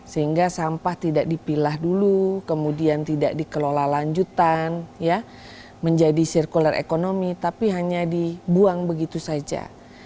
sehingga sampah tidak dipilah dulu kemudian tidak dikelola lanjutan menjadi sirkular ekonomi tapi hanya dibuang begitu saja